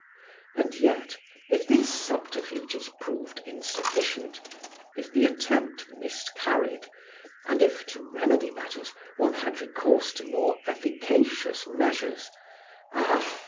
And yet, if these subterfuges proved insufficient, if the attempt miscarried and if, to remedy matters, one had recourse to more efficacious measures, ah!